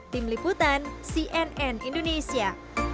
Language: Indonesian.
tim liputan cnn indonesia